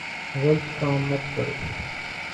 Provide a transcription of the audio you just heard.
غلط کام مت کرو ـ